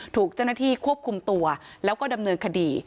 ถูกเจ้าหน้าที่ควบคุมตัวแล้วก็ดำเนินคดี